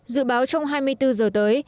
dự báo trong hai mươi bốn giờ tới